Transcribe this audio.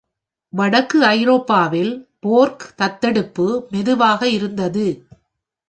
வடக்கு ஐரோப்பாவில் போர்க் தத்தெடுப்பு மெதுவாக இருந்தது.